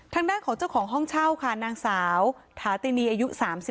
ทางด้านของเจ้าของห้องเช่าค่ะนางสาวถาตินีอายุ๓๒